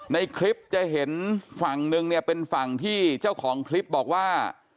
ในคลิปจะเห็นฝั่งนึงเนี่ยเป็นฝั่งที่เจ้าของคลิปบอกว่า